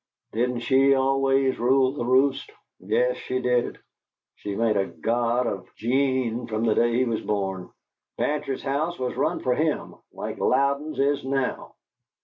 Didn't she always rule the roost? Yes, she did. She made a god of 'Gene from the day he was born. Bantry's house was run for him, like Louden's is now."